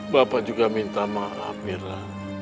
bapak juga minta maaf mira